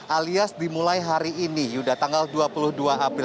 alias dimulai hari ini yuda tanggal dua puluh dua april